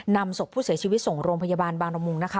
นำศพผู้เสียชีวิตส่งโรงพยาบาลบางละมุงนะคะ